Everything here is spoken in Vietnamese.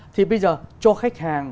thì bây giờ cho khách hàng